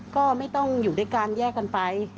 ก็ไม่ต้องอยู่ด้วยกันแยกกันไป